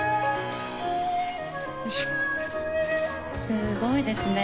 すごいですね